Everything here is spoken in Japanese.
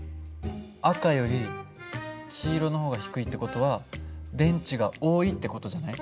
赤より黄色の方が低いって事は電池が多いって事じゃない？